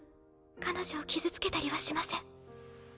彼女を傷つけたりはしません。